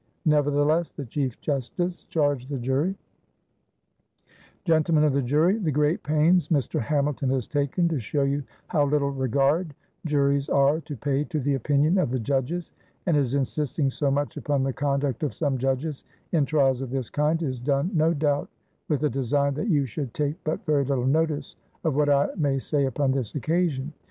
Nevertheless the Chief Justice charged the jury: Gentlemen of the Jury: The great pains Mr. Hamilton has taken, to show you how little regard juries are to pay to the opinion of the judges, and his insisting so much upon the conduct of some judges in trials of this kind, is done, no doubt, with a design that you should take but very little notice of what I might say upon this occasion.